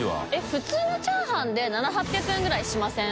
普通のチャーハンで覆はっぴゃく円ぐらいしません？